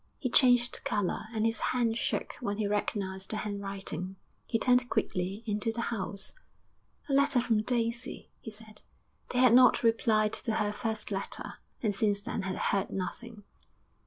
He changed colour and his hand shook when he recognised the handwriting. He turned quickly into the house. 'A letter from Daisy,' he said. They had not replied to her first letter, and since then had heard nothing.